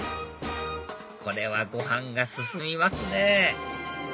これはご飯が進みますね